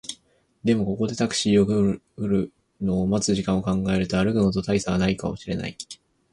でも、ここでタクシーが来るのを待つ時間を考えると、歩くのと大差はないかもしれない